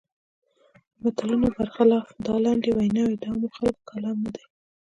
د متلونو پر خلاف دا لنډې ویناوی د عامو خلکو کلام نه دی.